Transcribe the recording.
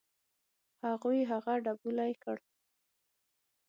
هغوی هغه ډبولی کړ.